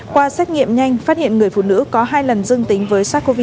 qua xét nghiệm nhanh phát hiện người phụ nữ có hai lần dương tính với sars cov hai